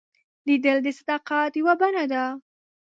لیدل د صداقت یوه بڼه ده